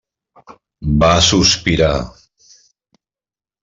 Va sospirar.